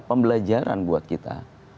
pembelajaran buat kita